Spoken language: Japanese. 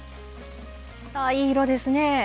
ああいい色ですね。